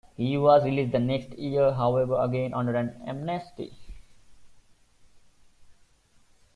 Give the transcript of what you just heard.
He was released the next year, however - again, under an amnesty.